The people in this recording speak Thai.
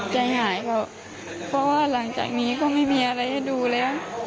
ใจหายเขาเพราะว่าหลังจากนี้ก็ไม่มีอะไรให้ดูแล้ว